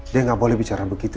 dia nggak boleh bicara begitu